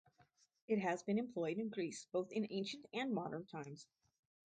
It has been employed in Greece both in ancient and modern times.